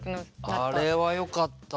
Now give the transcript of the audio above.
あれはよかったな。